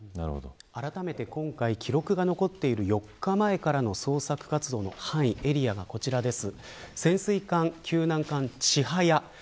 あらためて今回記録が残っている４日前からの捜索活動の範囲がこちらです。